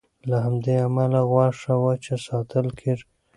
له همدې امله غوښه وچه ساتل کېږي.